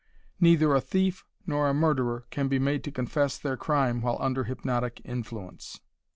Neither a thief nor a murderer can be made to confess their crime while under hypnotic influence.